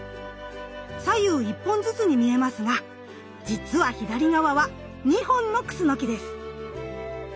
左右１本ずつに見えますがじつは左側は２本のクスノキです。